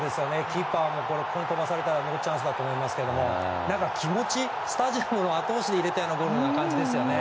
キーパーも転がされてノーチャンスだと思いますが気持ち、スタジアムのあと押しで入れたようなゴールですよね。